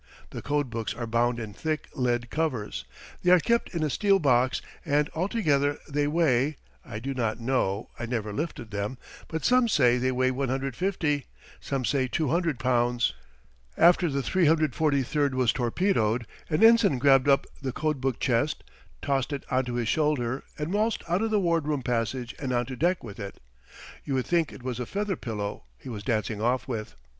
The code books are bound in thick lead covers. They are kept in a steel box, and altogether they weigh I do not know, I never lifted them but some say they weigh 150, some say 200 pounds. After the 343 was torpedoed, an ensign grabbed up the code book chest, tossed it onto his shoulder, and waltzed out of the ward room passage and onto deck with it. You would think it was a feather pillow he was dancing off with.